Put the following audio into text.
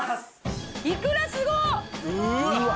いくらすごっ！